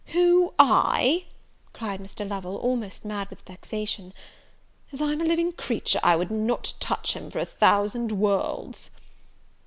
"Who, I?" cried Mr. Lovel, almost mad with vexation; "as I'm a living creature, I would not touch him for a thousand worlds!"